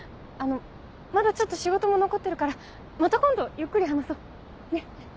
あのまだちょっと仕事も残ってるからまた今度ゆっくり話そうねっ。